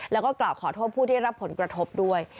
แล้วก็กล่าวขอโทษผู้ที่รับผลกระทบด้วย